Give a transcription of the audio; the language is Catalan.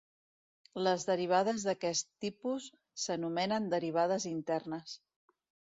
Les derivades d'aquest tipus s'anomenen derivades internes.